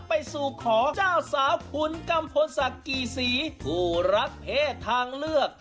ไปสู่ขอเจ้าสาวคุณกัมพลศักดิ์กี่ศรีผู้รักเพศทางเลือก